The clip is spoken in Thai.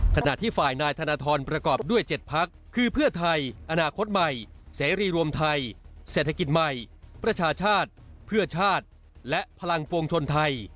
ขณะที่ฝ่ายนายธนทรประกอบด้วย๗พักคือเพื่อไทยอนาคตใหม่เสรีรวมไทยเศรษฐกิจใหม่ประชาชาติเพื่อชาติและพลังปวงชนไทย